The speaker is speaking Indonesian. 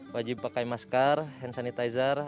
wajib pakai masker hand sanitizer